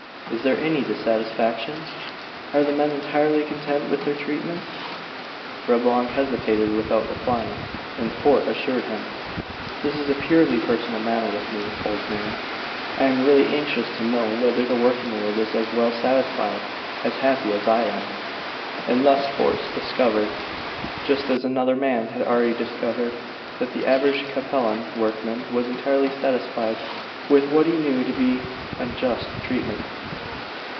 Is there any dissatisfaction? Are the men entirely content with their treatment?" Reblong hesitated about replying, and Fort assured him, "This is a purely personal matter with me, old man. I am really anxious to know whether the working world is as well satisfied, as happy as I am." And thus Fort discovered, just as another man had already discovered, that the average Capellan workman was entirely satisfied with what he knew to be unjust treatment.